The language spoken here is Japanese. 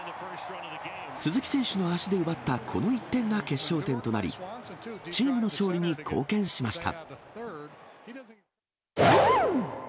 鈴木選手の足で奪ったこの１点が決勝点となり、チームの勝利に貢献しました。